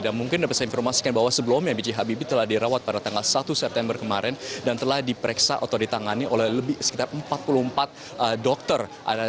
dan mungkin dapat saya informasikan bahwa sebelumnya b j habibie telah dirawat pada tanggal satu september kemarin dan telah diperiksa atau ditangani oleh lebih sekitar empat puluh empat dokter